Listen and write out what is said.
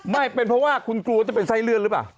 ไม่เป็นเพราะว่าคุณกลัวจะเป็นไส้เลื่อนหรือเปล่า